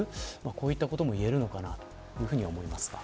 こういったことも言えるのかなと思います。